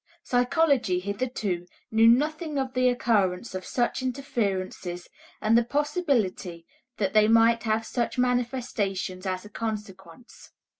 Psychology hitherto knew nothing of the occurrence of such interferences and the possibility that they might have such manifestations as a consequence.